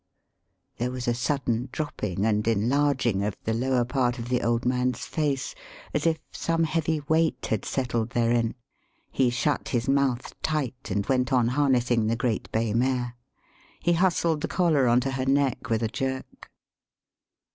[There was a sudden dropping and enlarging of the lower part of the old man's face, as if some heavy weight had settled therein; he shut his mouth tight, and went on harnessing the great bay mare. He hustled the collar on to her neck with a jerk.